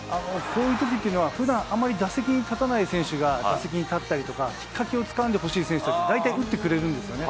こういうときっていうのは、ふだん、あまり打席に立たない選手が打席に立ったりとか、きっかけをつかんでほしい選手とかが大体打ってくれるんですよね。